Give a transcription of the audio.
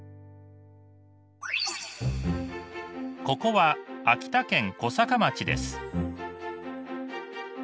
ここは秋田県小坂町です。